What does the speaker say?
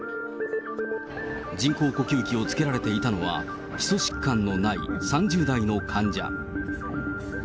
人工呼吸器をつけられていたのは、基礎疾患のない３０代の患者。